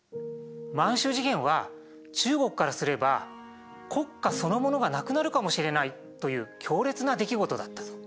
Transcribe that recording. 満洲事変は中国からすれば国家そのものがなくなるかもしれないという強烈な出来事だった。